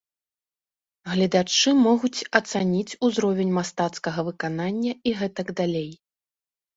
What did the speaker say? Гледачы могуць ацаніць узровень мастацкага выканання і гэтак далей.